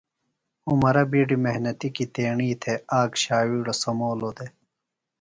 عمرہ بیڈیۡ محنتی کیۡ تیݨی تھےۡ آک شاویڑو سمولو دےۡ۔